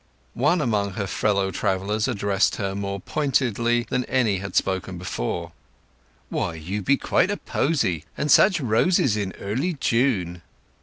One among her fellow travellers addressed her more pointedly than any had spoken before: "Why, you be quite a posy! And such roses in early June!"